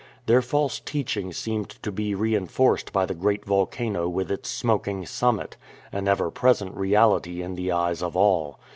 Their false teaching seemed to be reinforced by the great volcano with its smoking summit — an ever present reality in the eyes of all.